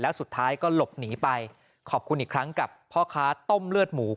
แล้วสุดท้ายก็หลบหนีไปขอบคุณอีกครั้งกับพ่อค้าต้มเลือดหมู